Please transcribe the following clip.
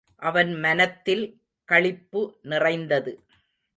அவன் மனத்தில் களிப்பு நிறைந்தது.